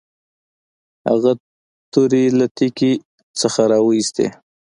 هغوی تورې له تیکي نه راویوستې.